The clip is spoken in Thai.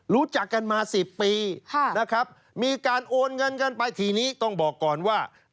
รู้จักกันมา๑๐ปีนะครับมีการโอนเงินกันไปทีนี้ต้องบอกก่อนว่า